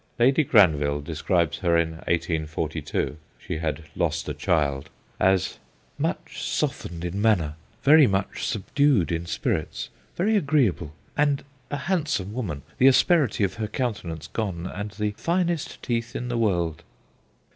Lady Granville describes her in 1842 (she had lost a child) as 'much softened in manner, very much subdued in spirits, very agreeable, and a handsome woman, the asperity of her countenance gone, and the finest teeth in the world.'